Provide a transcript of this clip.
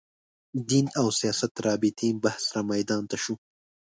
دین او سیاست رابطې بحث رامیدان ته شو